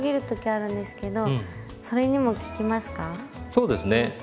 そうですねうん。